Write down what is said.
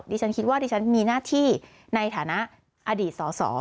ดิฉันคิดว่าดิฉันมีหน้าที่ในฐานะอดีตสอสอ